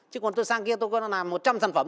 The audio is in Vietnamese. chứ còn tôi sang kia tôi có làm một trăm linh sản phẩm